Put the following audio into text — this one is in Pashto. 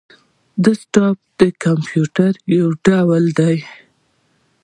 ډیسکټاپ د کمپيوټر یو ډول دی